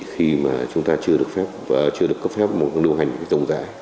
khi mà chúng ta chưa được phép và chưa được cấp phép một lưu hành dòng giải